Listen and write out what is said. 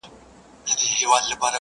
• تا چي رنګ د ورور په وینو صمصام راوړ,